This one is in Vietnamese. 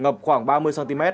ngập khoảng ba mươi cm